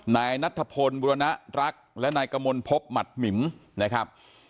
นายนัทพลบุรณรักษ์และนายกมลพบหมัดหมิมนะครับ